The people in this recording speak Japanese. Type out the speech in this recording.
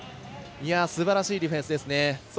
すばらしいディフェンスです。